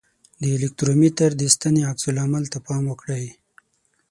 د الکترومتر د ستنې عکس العمل ته پام وکړئ.